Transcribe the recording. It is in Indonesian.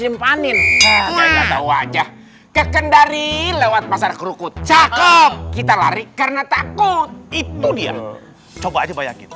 dimpanin aja kekendari lewat pasar kerukut cakep kita lari karena takut itu dia coba aja bayangin